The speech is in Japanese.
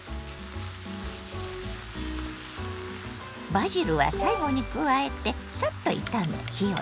バジルは最後に加えてサッと炒め火を止めます。